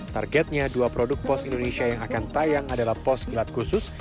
targetnya dua produk pos indonesia yang akan tayang adalah pos gelat khusus